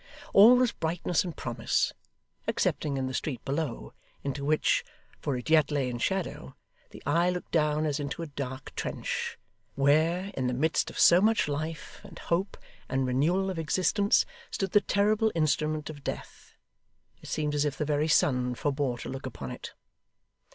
All was brightness and promise, excepting in the street below, into which (for it yet lay in shadow) the eye looked down as into a dark trench, where, in the midst of so much life, and hope, and renewal of existence, stood the terrible instrument of death. It seemed as if the very sun forbore to look upon it.